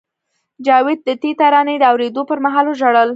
جاوید د دې ترانې د اورېدو پر مهال وژړل